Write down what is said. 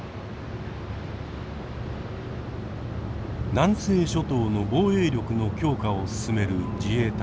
南西諸島の防衛力の強化を進める自衛隊。